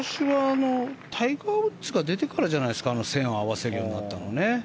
タイガー・ウッズが出てからじゃないですか線を合わせるようになったのは。